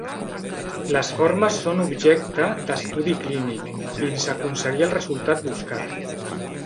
Les formes son objecte d'estudi clínic, fins a aconseguir el resultat buscat.